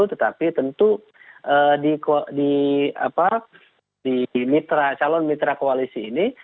tetapi tentu di calon mitra koalisi ini